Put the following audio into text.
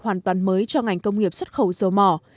hoàn toàn mới cho ngành công nghiệp xuất khẩu dầu mỏ